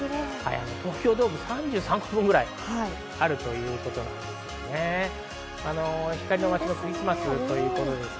東京ドーム３３個分ぐらいあるということです。